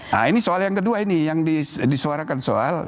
nah ini soal yang kedua ini yang disuarakan soal